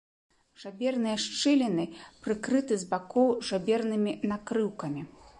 Жаберныя шчыліны прыкрыты з бакоў жабернымі накрыўкамі.